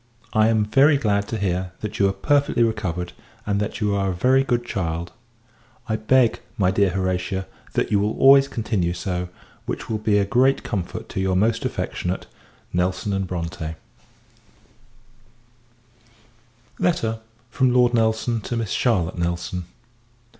I am very glad to hear, that you are perfectly recovered; and, that you are a very good child. I beg, my dear Horatia, that you will always continue so; which will be a great comfort to your most affectionate NELSON & BRONTE. TO MISS CHARLOTTE NELSON.